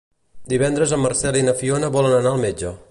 Divendres en Marcel i na Fiona volen anar al metge.